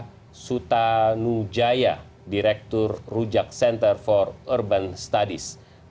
elisa sutanujaya direktur rujak center for urban studies